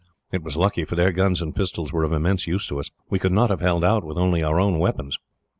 It was lucky, for their guns and pistols were of immense use to us. We could not have held out with only our own weapons.